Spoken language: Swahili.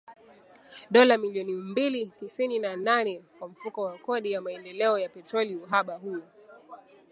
Dola milioni mia mbili tisini na nane kwa Mfuko wa Kodi ya Maendeleo ya Petroli uhaba huo